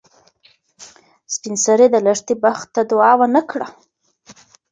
سپین سرې د لښتې بخت ته دعا ونه کړه.